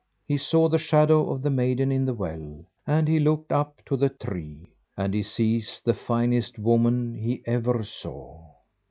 He saw the shadow of the maiden in the well, and he looked up to the tree, and he sees the finest woman he ever saw.